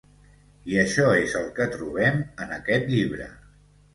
I això és el que trobem en aquest llibre.